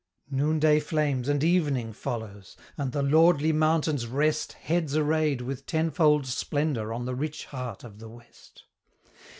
Noonday flames and evening follows; and the lordly mountains rest Heads arrayed with tenfold splendour on the rich heart of the West.